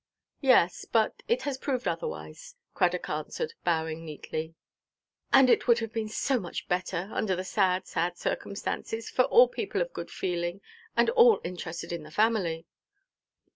"Yes, but it has proved otherwise," Cradock answered, bowing neatly. "And it would have been so much better, under the sad, sad circumstances, for all people of good feeling, and all interested in the family."